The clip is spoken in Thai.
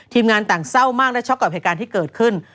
งานต่างเศร้ามากและช็อกกับเหตุการณ์ที่เกิดขึ้น